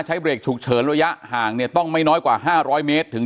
ใช้เบรกฉุกเฉินระยะห่างเนี่ยต้องไม่น้อยกว่า๕๐๐เมตรถึง